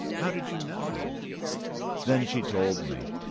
"How did you know?" Then she told me.